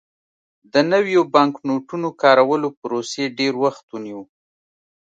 د نویو بانکنوټونو کارولو پروسې ډېر وخت ونیو.